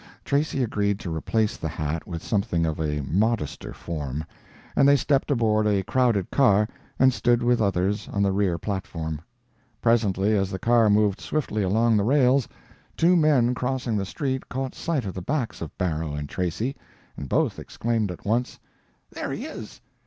p124.jpg (22K) Tracy agreed to replace the hat with something of a modester form, and they stepped aboard a crowded car and stood with others on the rear platform. Presently, as the car moved swiftly along the rails, two men crossing the street caught sight of the backs of Barrow and Tracy, and both exclaimed at once, "There he is!"